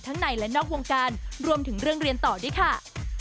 ในและนอกวงการรวมถึงเรื่องเรียนต่อด้วยค่ะ